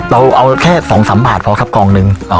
เราเอาแค่๒๓บาทพอครับกองหนึ่ง